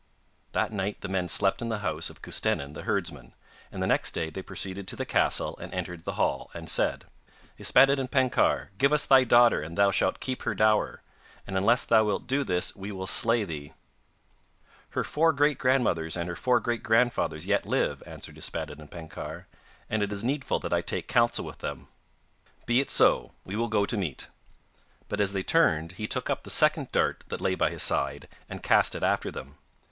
That night the men slept in the house of Custennin the herdsman, and the next day they proceeded to the castle, and entered the hall, and said: 'Yspaddaden Penkawr, give us thy daughter and thou shalt keep her dower. And unless thou wilt do this we will slay thee.' 'Her four great grandmothers and her four great grandfathers yet live,' answered Yspaddaden Penkawr; 'it is needful that I take counsel with them.' 'Be it so; we will go to meat,' but as they turned he took up the second dart that lay by his side and cast it after them.